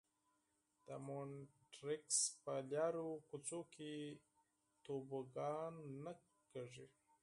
د مونټریکس په لارو کوڅو کې توبوګان نه کېږي.